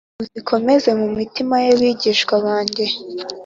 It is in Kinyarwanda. uzikomeze mu mitima y’abigishwa banjye.»